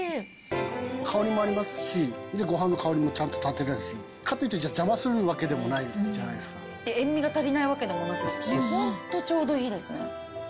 香りもありますし、ごはんの香りもちゃんと立ってますし、かといって邪魔するわけで塩味が足りないわけでもなくって、本当、ちょうどいいですね。